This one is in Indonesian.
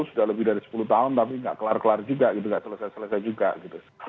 sudah lebih dari sepuluh tahun tapi nggak kelar kelar juga gitu nggak selesai selesai juga gitu